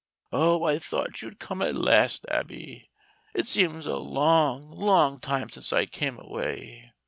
Oh, I thought you'd come at last, Abby. It seems a long, long time since I came away.